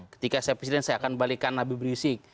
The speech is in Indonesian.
ketika saya presiden saya akan balikan nabi brissik